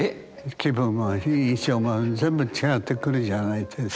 気分も印象も全部違ってくるじゃないですか。